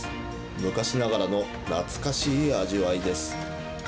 昔ながらの懐かしい味わいです。